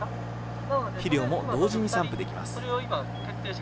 肥料も同時に散布できます。